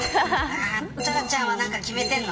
トラちゃんは何か決めてるの。